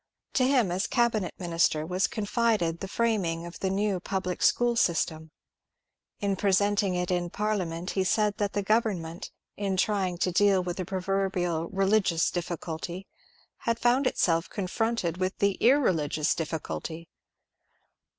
To him, as cabinet minister, was confided the framing of the new public school system. In presenting it in Parlia ment he said that the government, in trying to deal with the proverbial ^^ religions difficulty," had found itself confronted with the ^^ irreligious difficulty."